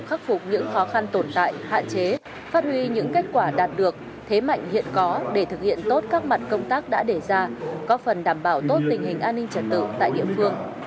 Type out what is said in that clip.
hạn chế phát huy những kết quả đạt được thế mạnh hiện có để thực hiện tốt các mặt công tác đã đề ra có phần đảm bảo tốt tình hình an ninh trật tự tại địa phương